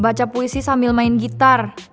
baca puisi sambil main gitar